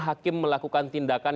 hakim melakukan tindakan